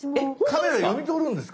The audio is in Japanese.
⁉カメラ読み取るんですか？